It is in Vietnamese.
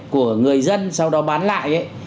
của người dân sau đó bán lại ấy